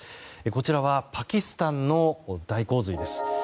こちらはパキスタンの大洪水です。